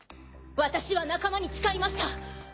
私は仲間に誓いました。